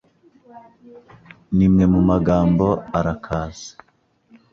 Nimwe mumagambo arakaze.